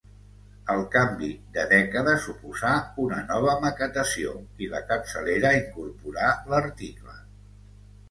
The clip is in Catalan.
El canvi de dècada suposà una nova maquetació i la capçalera incorporà l'article.